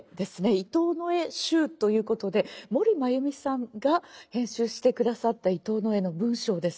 「伊藤野枝集」ということで森まゆみさんが編集して下さった伊藤野枝の文章です。